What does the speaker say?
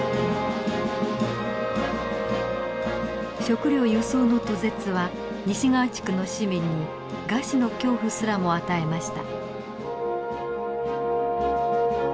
食糧輸送の途絶は西側地区の市民に餓死の恐怖すらも与えました。